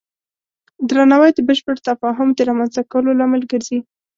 درناوی د بشپړ تفاهم د رامنځته کولو لامل ګرځي.